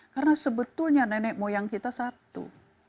karena sebetulnya nenek moyang kita satu